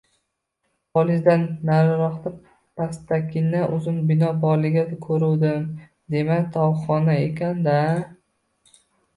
Polizdan nariroqda pastakkina uzun bino borligini ko‘ruvdim, demak, tovuqxona ekan-da